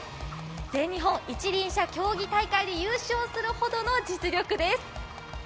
全日本一輪車競技大会で優勝するほどの実力です。